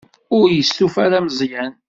Ur yestufa ara Meẓyan.